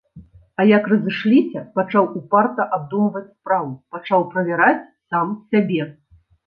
А як разышліся, пачаў упарта абдумваць справу, пачаў правяраць сам сябе.